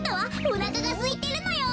おなかがすいてるのよ。